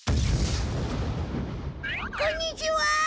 こんにちは！